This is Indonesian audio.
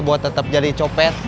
buat tetap jadi copet